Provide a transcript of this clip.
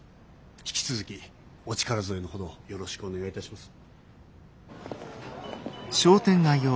引き続きお力添えのほどよろしくお願いいたします。